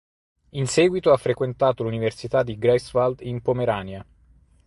In seguito ha frequentato l'Università di Greifswald in Pomerania.